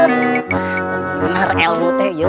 benar ilmu itu